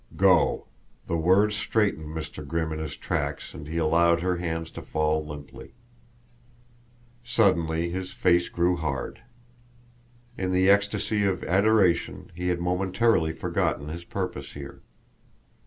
Go! The word straightened Mr. Grimm in his tracks and he allowed her hands to fall limply. Suddenly his face grew hard. In the ecstasy of adoration he had momentarily forgotten his purpose here.